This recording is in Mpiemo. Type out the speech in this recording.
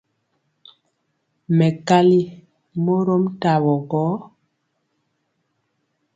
Mɛkali mɔrom tawo gɔ.